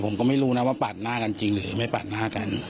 ผมก็ไม่รู้นะว่าปาดหน้ากันจริงหรือไม่ปาดหน้ากัน